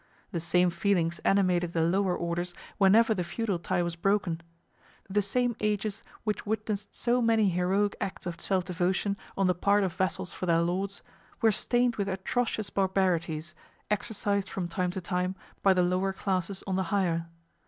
The same feelings animated the lower orders whenever the feudal tie was broken. The same ages which witnessed so many heroic acts of self devotion on the part of vassals for their lords, were stained with atrocious barbarities, exercised from time to time by the lower classes on the higher.